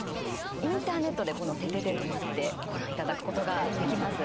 インターネットでこの「ててて！とまって！」ご覧いただくことができます。